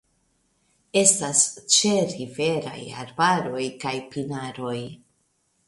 Estas ĉeriveraj arbaroj kaj pinaroj.